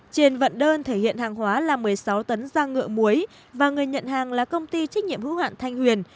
trên vận đơn thể hiện hàng hóa là một mươi sáu tấn da ngựa muối và người nhận hàng là công ty trách nhiệm hữu hạn thanh huyền